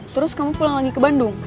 terus kamu pulang lagi ke bandung